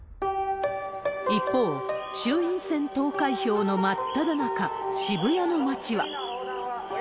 一方、衆院選投開票の真っただ中、渋谷の街は。